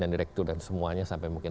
dan direktur dan semuanya sampai mungkin